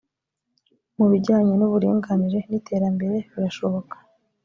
mu bijyanye n’uburinganire n’ iterambere birashoboka